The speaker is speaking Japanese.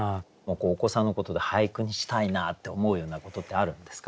お子さんのことで俳句にしたいなって思うようなことってあるんですか？